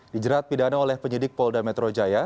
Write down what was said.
dijerat pidana oleh penyidik polda metro jaya